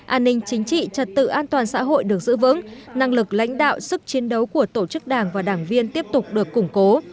an ninh chính trị trật tự an toàn xã hội được giữ vững năng lực lãnh đạo sức chiến đấu của tổ chức đảng và đảng viên tiếp tục được củng cố